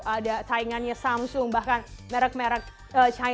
ada taingannya samsung bahkan merek merek china juga sudah mulai